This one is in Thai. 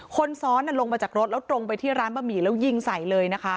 คนซ้อนลงมาจากรถแล้วตรงไปที่ร้านบะหมี่แล้วยิงใส่เลยนะคะ